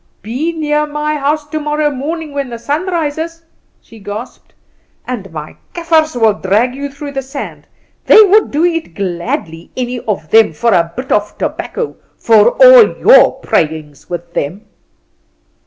Be near my house tomorrow morning when the sun rises," she gasped, "my Kaffers will drag you through the sand. They would do it gladly, any of them, for a bit of tobacco, for all your prayings with them."